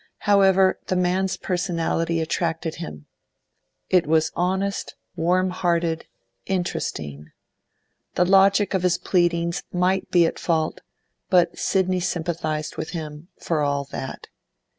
However, the man's personality attracted him; it was honest, warm hearted, interesting; the logic of his pleadings might be at fault, but Sidney sympathised with him, for all that.